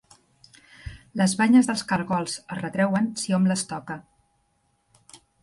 Les banyes dels cargols es retreuen si hom les toca.